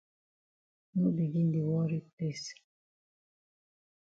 No begin di worry place.